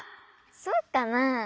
そうかなあ？